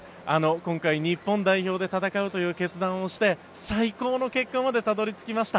今回、日本代表で戦うという決断をして最高の結果にたどり着きました。